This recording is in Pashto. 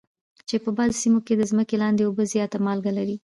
چې په بعضو سیمو کې د ځمکې لاندې اوبه زیاته مالګه لري.